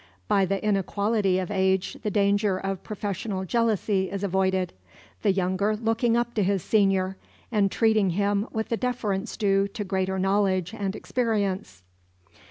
By the inequality of age the danger of professional jealousy is avoided; the younger looking up to his senior, and treating him with the deference due to greater knowledge and experience.